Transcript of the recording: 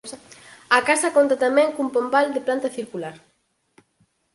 A casa conta tamén cun pombal de planta circular.